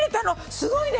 すごいね！